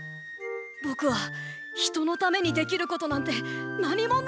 ぼくはひとのためにできることなんてなにもないんだ！